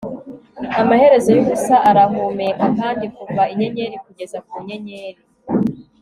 Amaherezo yubusa arahumeka kandi kuva inyenyeri kugeza ku nyenyeri